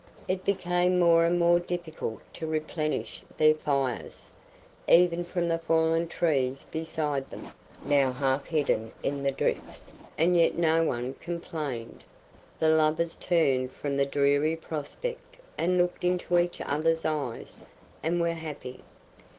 It became more and more difficult to replenish their fires, even from the fallen trees beside them, now half hidden in the drifts. And yet no one complained. The lovers turned from the dreary prospect and looked into each other's eyes, and were happy.